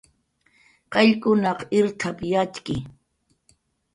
"Qayllkunaq irt""ap"" yatxki"